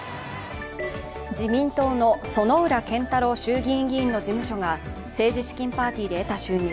自民党の薗浦健太郎衆議院議員の事務所が政治資金パーティーで得た収入